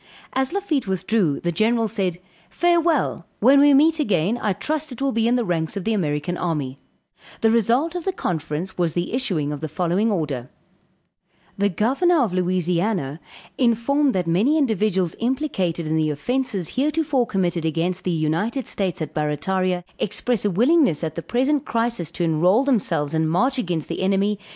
At Lafitte withdrew, the General said farewell; when we meet again, I trust it will be in the ranks of the American army. The result of the conference was the issuing the following order. [Illustration: Interview between Lafitte, General Jackson, and Governor Claiborne.] The Governor of Louisiana, informed that many individuals implicated in the offences heretofore committed against the United States at Barrataria, express a willingness at the present crisis to enroll themselves and march against the enemy.